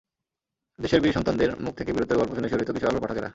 দেশের বীর সন্তানদের মুখ থেকে বীরত্বের গল্প শুনে শিহরিত কিশোর আলোর পাঠকেরা।